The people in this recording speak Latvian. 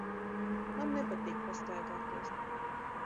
Man nepatīk pastaigāties.